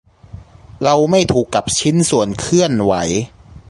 เราไม่ถูกกับชิ้นส่วนเคลื่อนไหว